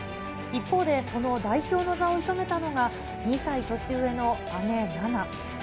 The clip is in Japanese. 一方で、その代表の座を射止めたのが、２歳年上の姉、菜那。